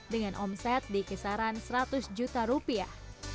dengan omset dikisaran seratus juta rupiah